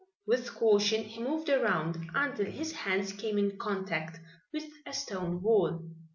With caution he moved around until his hands came in contact with a stone wall.